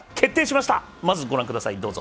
まずご覧ください。